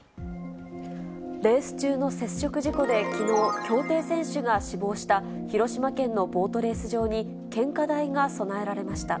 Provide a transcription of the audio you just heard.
レース中の接触事故できのう、競艇選手が死亡した広島県のボートレース場に、献花台が備えられました。